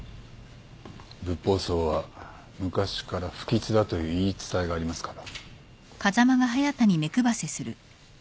ブッポウソウは昔から不吉だという言い伝えがありますから。